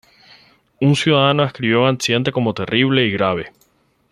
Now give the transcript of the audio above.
Un ciudadano describió el accidente como "terrible y grave".